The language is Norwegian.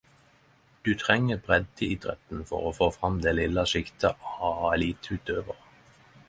Du trenger breddeidretten for å få frem det lille sjiktet av eliteutøvere.